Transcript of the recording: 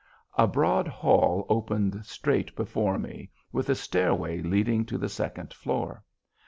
A broad hall opened straight before me, with a stairway leading to the second floor.